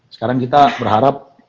sekarang kita berharap